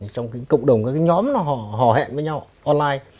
trong cộng đồng các nhóm họ hẹn với nhau online